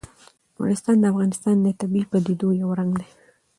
نورستان د افغانستان د طبیعي پدیدو یو رنګ دی.